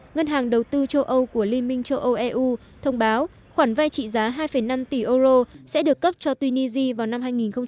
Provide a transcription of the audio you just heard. ngân hàng đầu tư châu âu của liên minh châu âu eu thông báo khoản vay trị giá hai năm tỷ euro sẽ được cấp cho tunisia vào năm hai nghìn hai mươi